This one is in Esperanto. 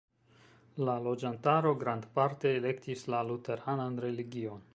La loĝantaro grandparte elektis la luteranan religion.